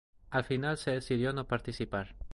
Al final se decidió no participar.